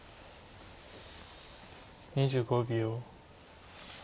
２５秒。